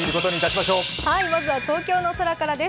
まずは東京の空からです。